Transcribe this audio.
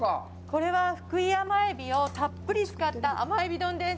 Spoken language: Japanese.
これはふくい甘えびをたっぷり使った甘えび丼です。